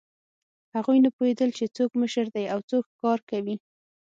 هغوی نه پوهېدل، چې څوک مشر دی او څوک ښکار کوي.